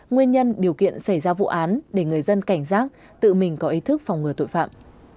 nguyên nhân điều kiện xảy ra vụ án để người dân cảnh giác tự mình có ý thức phòng ngừa tội phạm